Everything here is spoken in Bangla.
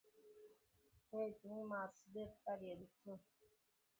হেই, তুমি মাছদের তাড়িয়ে দিচ্ছো।